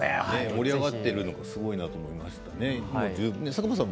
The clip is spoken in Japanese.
盛り上がってるのすごいなと思いましたね。